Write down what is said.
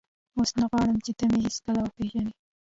اوس نه غواړم چې ته مې هېڅکله وپېژنې.